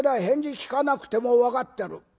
返事聞かなくても分かってる。